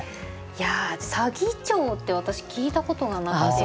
いや「左義長」って私聞いたことがなくて。